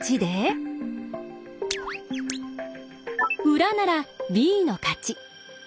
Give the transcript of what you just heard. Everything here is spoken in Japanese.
裏ならＢの勝ち。